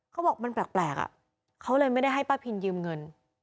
เขาบอกมันแปลกอ่ะเขาเลยไม่ได้ให้ป้าพินยืมเงิน